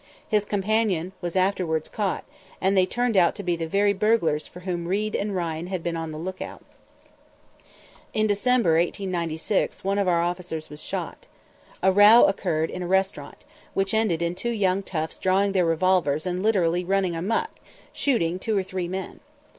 His companion was afterward caught, and they turned out to be the very burglars for whom Reid and Ryan had been on the lookout. In December, 1896, one of our officers was shot. A row occurred in a restaurant, which ended in two young toughs drawing their revolvers and literally running amuck, shooting two or three men.